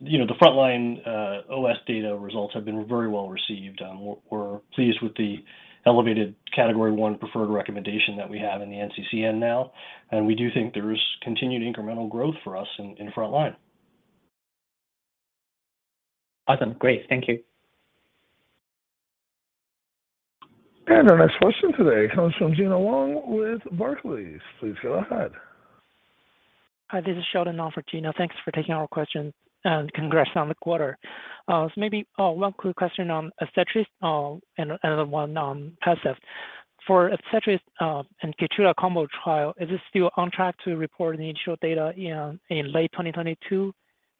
you know, the frontline OS data results have been very well-received. We're pleased with the elevated category one preferred recommendation that we have in the NCCN now, and we do think there is continued incremental growth for us in frontline. Awesome. Great. Thank you. Our next question today comes from Gena Wang with Barclays. Please go ahead. Hi. This is Sheldon, not Regina. Thanks for taking our question, and congrats on the quarter. Maybe one quick question on Adcetris and another one on Padcev. For Adcetris and Keytruda combo trial, is this still on track to report the initial data in late 2022?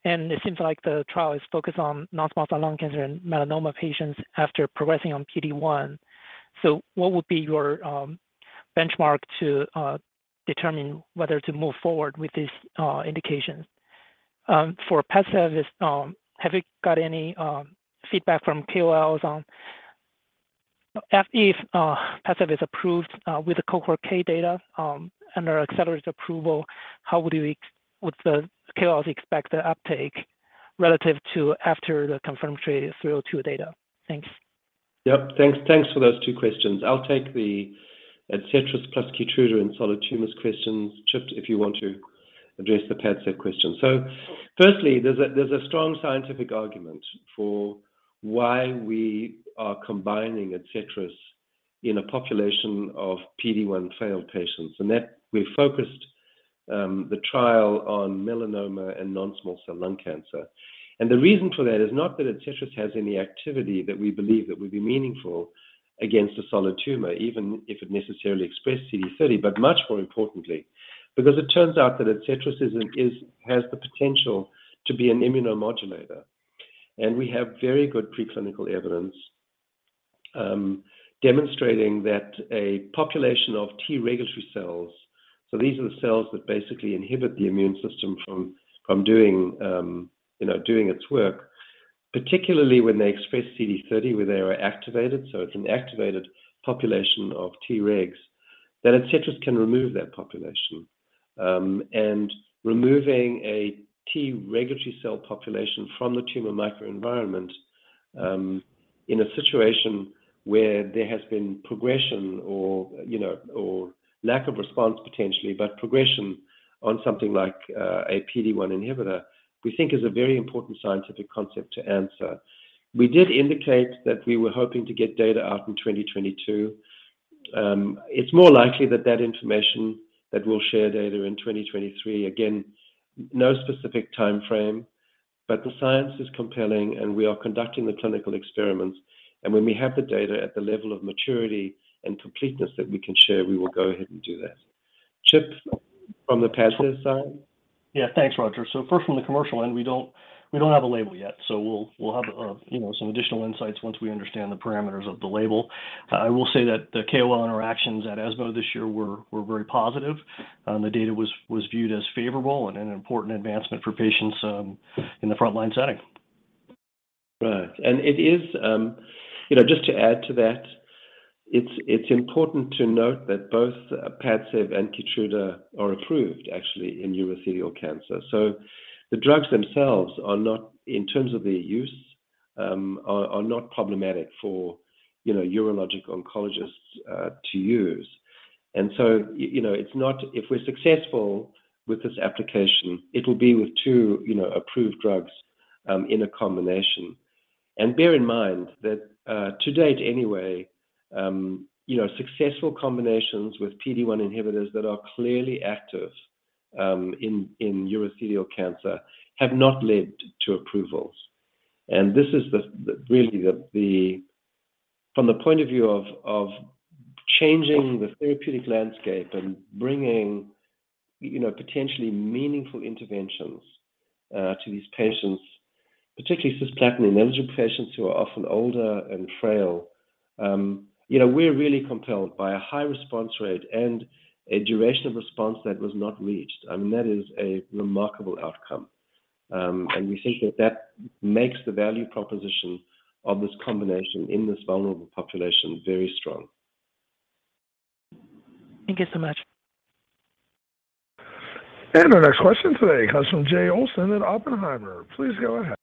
It seems like the trial is focused on non-small cell lung cancer in melanoma patients after progressing on PD-1. What would be your benchmark to determine whether to move forward with this indication? For Padcev, have you got any feedback from KOLs on if Padcev is approved with the Cohort K data under accelerated approval, how would the KOLs expect the uptake relative to after the confirmed EV-302 data? Thanks. Yep. Thanks, thanks for those two questions. I'll take the Adcetris plus KEYTRUDA in solid tumors questions. Chip, if you want to address the Padcev question. Firstly, there's a strong scientific argument for why we are combining Adcetris in a population of PD-1 failed patients, and that we've focused the trial on melanoma and non-small cell lung cancer. The reason for that is not that Adcetris has any activity that we believe that would be meaningful against a solid tumor, even if it necessarily expressed CD30. Much more importantly, because it turns out that Adcetris has the potential to be an immunomodulator. We have very good preclinical evidence, demonstrating that a population of T regulatory cells, so these are the cells that basically inhibit the immune system from doing, you know, doing its work, particularly when they express CD30, where they are activated. It's an activated population of Tregs that Adcetris can remove that population. Removing a T regulatory cell population from the tumor microenvironment, in a situation where there has been progression or, you know, or lack of response potentially, but progression on something like a PD-1 inhibitor, we think is a very important scientific concept to answer. We did indicate that we were hoping to get data out in 2022. It's more likely that information that we'll share data in 2023. Again, no specific timeframe, but the science is compelling, and we are conducting the clinical experiments. When we have the data at the level of maturity and completeness that we can share, we will go ahead and do that. Chip, from the Padcev side? Yeah. Thanks, Roger. First, from the commercial end, we don't have a label yet. We'll have, you know, some additional insights once we understand the parameters of the label. I will say that the KOL interactions at ESMO this year were very positive, the data was viewed as favorable and an important advancement for patients in the frontline setting. Right. It is. You know, just to add to that, it's important to note that both Padcev and KEYTRUDA are approved actually in urothelial cancer. The drugs themselves are not, in terms of their use, problematic for, you know, urologic oncologists, to use. You know, it's not. If we're successful with this application, it'll be with two, you know, approved drugs, in a combination. Bear in mind that, to date anyway, you know, successful combinations with PD-1 inhibitors that are clearly active, in urothelial cancer have not led to approvals. From the point of view of changing the therapeutic landscape and bringing, you know, potentially meaningful interventions to these patients, particularly cisplatin-ineligible patients who are often older and frail, you know, we're really compelled by a high response rate and a duration of response that was not reached. I mean, that is a remarkable outcome. We think that makes the value proposition of this combination in this vulnerable population very strong. Thank you so much. Our next question today comes from Jay Olson at Oppenheimer. Please go ahead.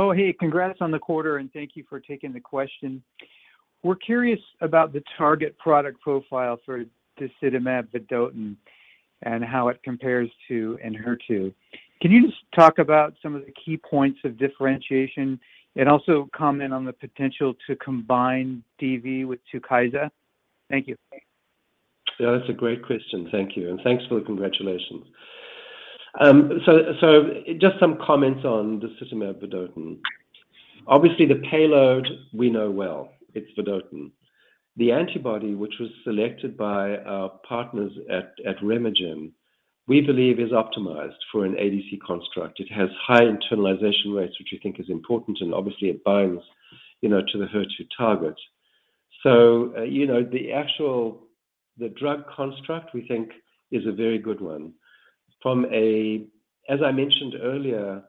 Oh, hey. Congrats on the quarter, and thank you for taking the question. We're curious about the target product profile for disitamab vedotin and how it compares to ENHERTU. Can you just talk about some of the key points of differentiation and also comment on the potential to combine DV with TUKYSA? Thank you. Yeah, that's a great question. Thank you, and thanks for the congratulations. So just some comments on disitamab vedotin. Obviously, the payload we know well, it's vedotin. The antibody which was selected by our partners at RemeGen, we believe is optimized for an ADC construct. It has high internalization rates, which we think is important, and obviously it binds, you know, to the HER2 target. So, you know, the actual drug construct, we think, is a very good one. As I mentioned earlier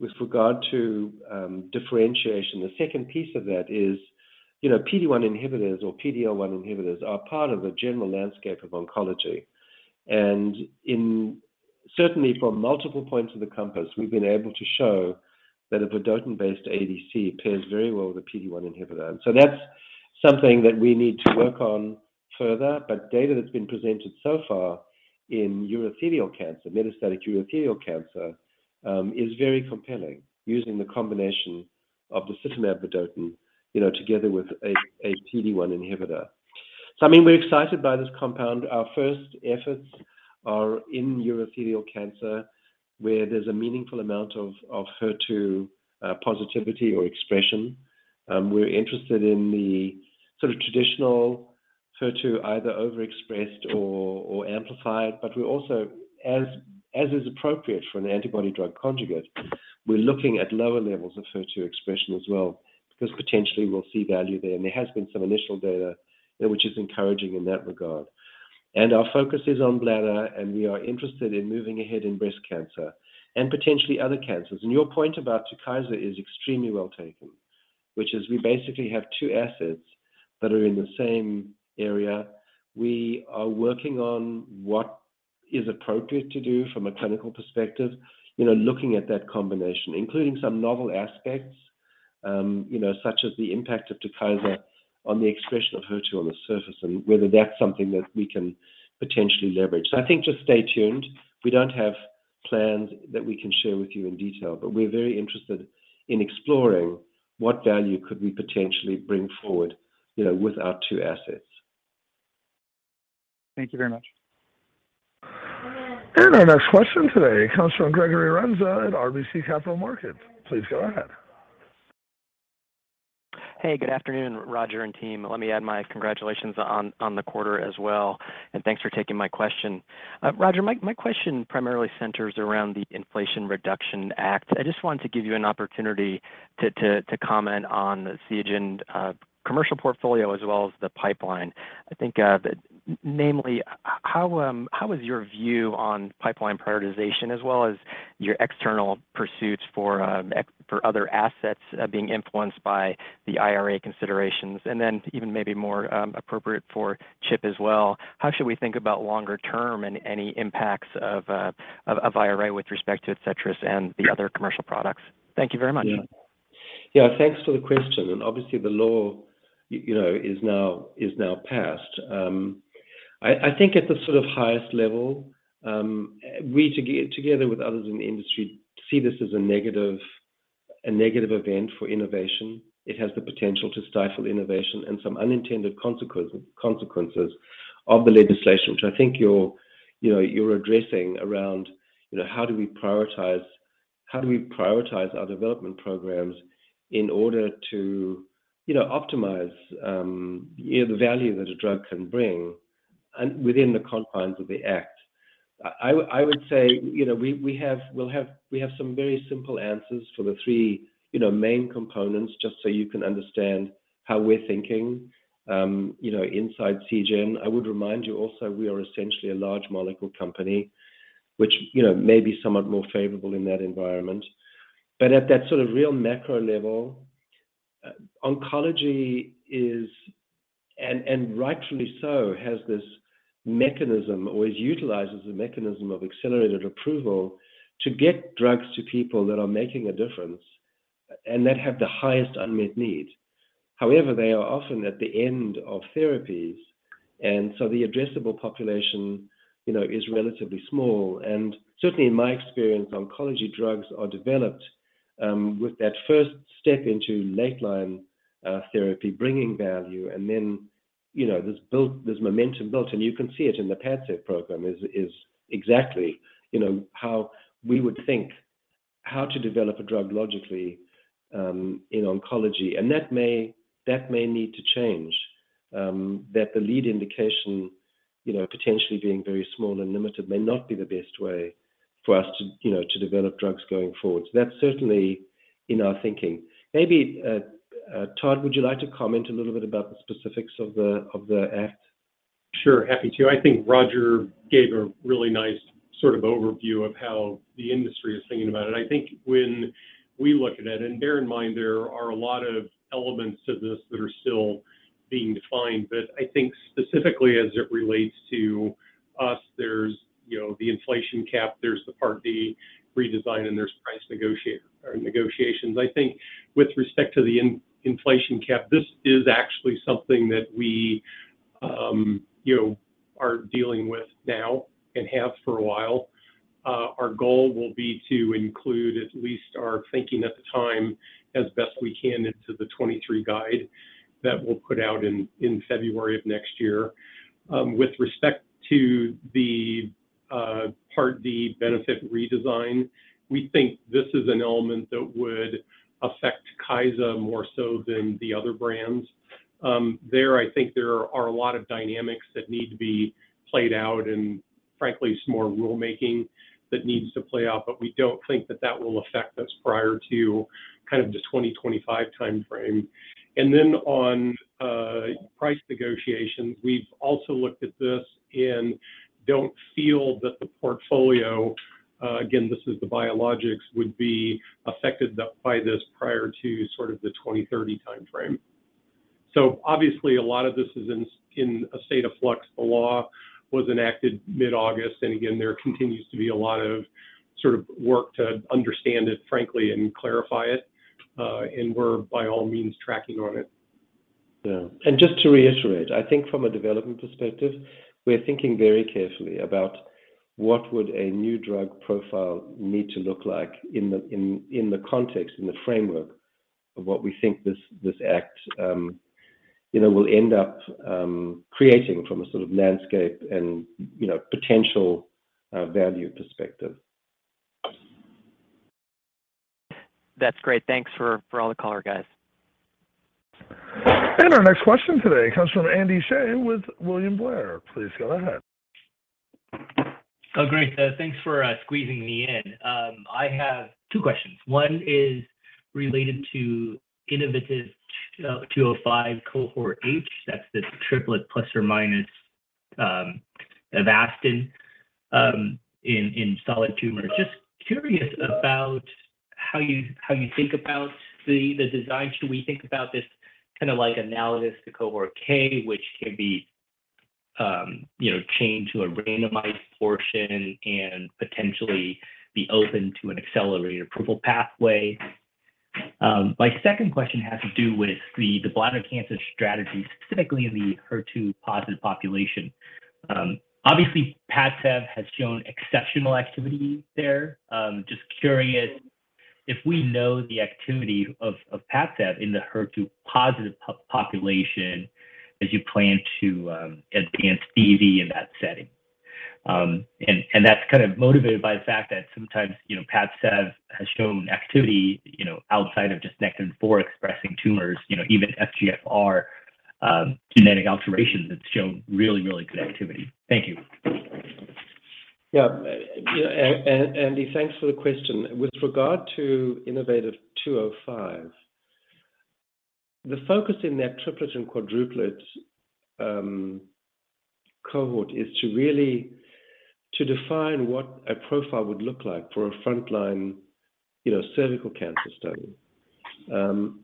with regard to differentiation, the second piece of that is, you know, PD-1 inhibitors or PD-L1 inhibitors are part of a general landscape of oncology. Certainly from multiple points of the compass, we've been able to show that a vedotin-based ADC pairs very well with a PD-1 inhibitor. That's something that we need to work on further. Data that's been presented so far in urothelial cancer, metastatic urothelial cancer, is very compelling using the combination of disitamab vedotin, you know, together with a PD-1 inhibitor. I mean, we're excited by this compound. Our first efforts are in urothelial cancer, where there's a meaningful amount of HER2 positivity or expression. We're interested in the sort of traditional HER2 either overexpressed or amplified, but we also, as is appropriate for an antibody-drug conjugate, we're looking at lower levels of HER2 expression as well, because potentially we'll see value there. There has been some initial data which is encouraging in that regard. Our focus is on bladder, and we are interested in moving ahead in breast cancer and potentially other cancers. Your point about TUKYSA is extremely well taken, which is we basically have two assets that are in the same area. We are working on what is appropriate to do from a clinical perspective, you know, looking at that combination, including some novel aspects, you know, such as the impact of TUKYSA on the expression of HER2 on the surface and whether that's something that we can potentially leverage. I think just stay tuned. We don't have plans that we can share with you in detail, but we're very interested in exploring what value could we potentially bring forward, you know, with our two assets. Thank you very much. Our next question today comes from Gregory Renza at RBC Capital Markets. Please go ahead. Hey, good afternoon, Roger and team. Let me add my congratulations on the quarter as well, and thanks for taking my question. Roger, my question primarily centers around the Inflation Reduction Act. I just wanted to give you an opportunity to comment on the Seagen commercial portfolio as well as the pipeline. I think, namely, how is your view on pipeline prioritization as well as your external pursuits for other assets being influenced by the IRA considerations? Even maybe more appropriate for Chip as well, how should we think about longer term and any impacts of IRA with respect to Adcetris and the other commercial products? Thank you very much. Yeah. Yeah. Thanks for the question. Obviously the law, you know, is now passed. I think at the sort of highest level, we together with others in the industry see this as a negative event for innovation. It has the potential to stifle innovation and some unintended consequences of the legislation, which I think you're addressing around, you know, how do we prioritize our development programs in order to, you know, optimize the value that a drug can bring and within the confines of the act? I would say, you know, we have some very simple answers for the three main components, just so you can understand how we're thinking, you know, inside Seagen. I would remind you also, we are essentially a large molecule company, which, you know, may be somewhat more favorable in that environment. At that sort of real macro level, oncology is, and rightfully so, has this mechanism or it utilizes the mechanism of accelerated approval to get drugs to people that are making a difference and that have the highest unmet need. However, they are often at the end of therapies, and so the addressable population, you know, is relatively small. Certainly in my experience, oncology drugs are developed with that first step into late line therapy bringing value, and then, you know, there's momentum built, and you can see it in the Padcev program is exactly, you know, how we would think how to develop a drug logically in oncology. That may need to change, that the lead indication, you know, potentially being very small and limited may not be the best way for us to, you know, to develop drugs going forward. That's certainly in our thinking. Maybe, Todd, would you like to comment a little bit about the specifics of the act? Sure, happy to. I think Roger gave a really nice sort of overview of how the industry is thinking about it. I think when we look at it, and bear in mind there are a lot of elements to this that are still being defined. I think specifically as it relates to us, there's the inflation cap, there's the Part D redesign, and there's price negotiations. I think with respect to the inflation cap, this is actually something that we are dealing with now and have for a while. Our goal will be to include at least our thinking at the time as best we can into the 2023 guide that we'll put out in February of next year. With respect to the Part D benefit redesign, we think this is an element that would affect TUKYSA more so than the other brands. There, I think there are a lot of dynamics that need to be played out and frankly some more rulemaking that needs to play out, but we don't think that will affect us prior to kind of the 2025 timeframe. Then on price negotiations, we've also looked at this and don't feel that the portfolio, again, this is the biologics, would be affected by this prior to sort of the 2030 timeframe. Obviously a lot of this is in a state of flux. The law was enacted mid-August, and again, there continues to be a lot of sort of work to understand it, frankly, and clarify it, and we're by all means tracking on it. Yeah. Just to reiterate, I think from a development perspective, we're thinking very carefully about what would a new drug profile need to look like in the context, in the framework of what we think this act, you know, will end up creating from a sort of landscape and, you know, potential value perspective. That's great. Thanks for all the color, guys. Our next question today comes from Andy Hsieh with William Blair. Please go ahead. Oh, great. Thanks for squeezing me in. I have two questions. One is related to innovaTV 205 Cohort H. That's the triplet plus or minus Avastin in solid tumors. Just curious about how you think about the design. Should we think about this kind of like analogous to Cohort K, which can be, you know, chained to a randomized portion and potentially be open to an accelerated approval pathway? My second question has to do with the bladder cancer strategy, specifically in the HER2 positive population. Obviously, Padcev has shown exceptional activity there. Just curious if we know the activity of Padcev in the HER2 positive population as you plan to advance DV in that setting. That's kind of motivated by the fact that sometimes, you know, Padcev has shown activity, you know, outside of just Nectin-4-expressing tumors, you know, even FGFR genetic alterations that show really good activity. Thank you. Yeah. Andy, thanks for the question. With regard to innovaTV 205, the focus in that triplet and quadruplet cohort is to define what a profile would look like for a frontline, you know, cervical cancer study.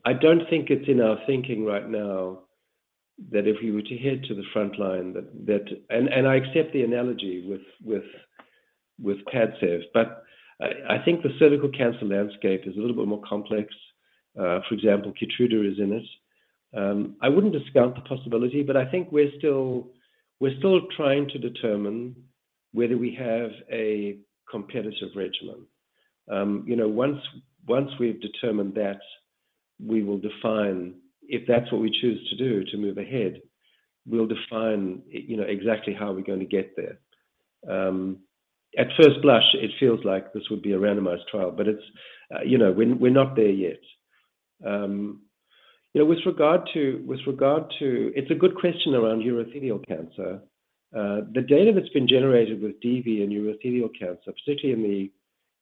I don't think it's in our thinking right now that if we were to head to the frontline. I accept the analogy with Padcev, but I think the cervical cancer landscape is a little bit more complex. For example, KEYTRUDA is in it. I wouldn't discount the possibility, but I think we're still trying to determine whether we have a competitive regimen. You know, once we've determined that, we will define. If that's what we choose to do to move ahead, we'll define, you know, exactly how we're gonna get there. At first blush, it feels like this would be a randomized trial, but it's, you know, we're not there yet. You know, with regard to. It's a good question around urothelial cancer. The data that's been generated with DV and urothelial cancer, particularly in the,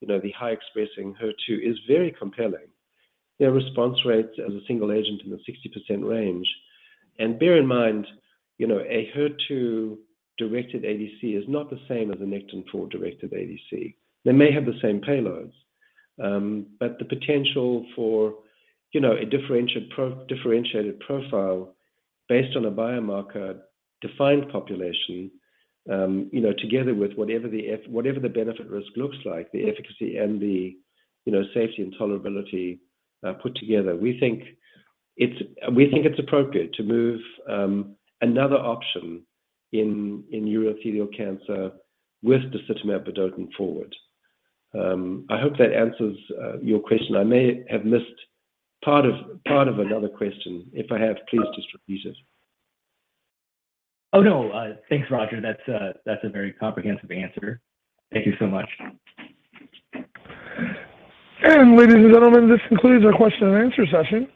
you know, the high expressing HER2, is very compelling. Their response rates as a single agent in the 60% range. Bear in mind, you know, a HER2-directed ADC is not the same as a Nectin-4-directed ADC. They may have the same payloads, but the potential for, you know, a differentiated profile based on a biomarker-defined population, you know, together with whatever the benefit risk looks like, the efficacy and the, you know, safety and tolerability, put together, we think it's appropriate to move another option in urothelial cancer with docetaxel and abiraterone forward. I hope that answers your question. I may have missed part of another question. If I have, please just repeat it. Oh, no. Thanks, Roger. That's a very comprehensive answer. Thank you so much. Ladies and gentlemen, this concludes our question and answer session.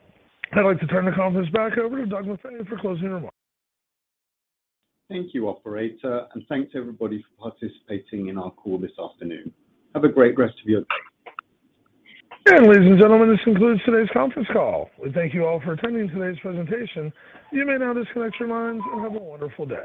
I'd like to turn the conference back over to Doug Maffei for closing remarks. Thank you, operator, and thanks everybody for participating in our call this afternoon. Have a great rest of your day. Ladies and gentlemen, this concludes today's conference call. We thank you all for attending today's presentation. You may now disconnect your lines and have a wonderful day.